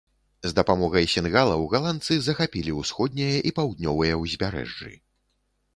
З дапамогай сінгалаў галандцы захапілі ўсходняе і паўднёвае ўзбярэжжы.